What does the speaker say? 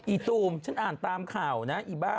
อีตูมฉันอ่านตามข่าวนะอีบ้า